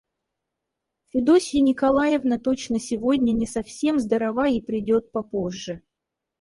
Федосья Николаевна точно сегодня не совсем здорова и придет попозже.